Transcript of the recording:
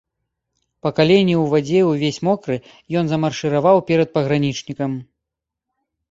Па калені ў вадзе і ўвесь мокры, ён замаршыраваў перад пагранічнікам.